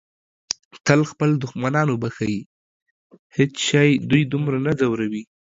تل خپل دښمنان وبښئ. هیڅ شی دوی دومره نه ځوروي.